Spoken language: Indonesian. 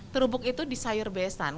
kerupuk itu di sayur besan